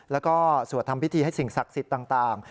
แล้วก็สวดทำพิธีให้สิ่งศักดิ์สิทธิ์ต่าง